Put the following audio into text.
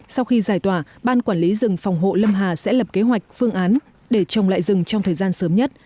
sau khi giải tỏa ban quản lý rừng phòng hộ lâm hà sẽ lập kế hoạch phương án để trồng lại rừng trong thời gian sớm nhất